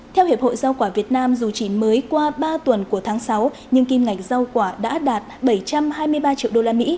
theo hiệp hội rau quả việt nam dù chỉ mới qua ba tuần của tháng sáu nhưng kim ngạch rau quả đã đạt bảy trăm hai mươi ba triệu usd